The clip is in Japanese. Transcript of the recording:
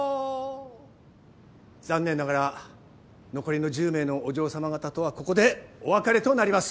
残念ながら残りの１０名のお嬢様方とはここでお別れとなります。